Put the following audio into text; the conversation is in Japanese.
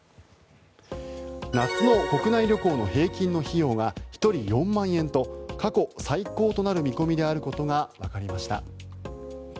夏の国内旅行の平均の費用が１人４万円と過去最高となる見込みであることがわかりました。